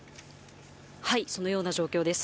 そのような状況です。